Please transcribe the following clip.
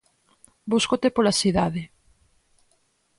Búscote pola cidade.